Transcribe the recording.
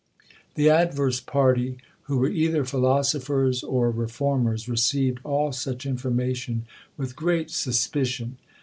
The adverse party, who were either philosophers or reformers, received all such information with great suspicion.